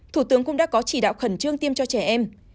thủ tướng cũng đã có chỉ đạo khẩn trương tiêm cho trẻ em